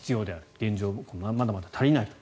現状、まだまだ足りないと。